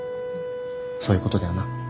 そういうことだよな？